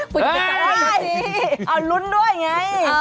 คุณจะได้เอาลุ้นด้วยไง